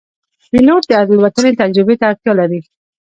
پیلوټ د الوتنې تجربې ته اړتیا لري.